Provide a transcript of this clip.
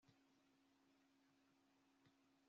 n'iyo yayumvise, ntayitaho